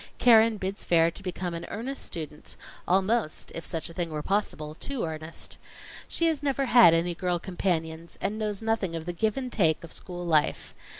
Keren bids fair to become an earnest student almost, if such a thing were possible, too earnest. She has never had any girl companions, and knows nothing of the give and take of school life.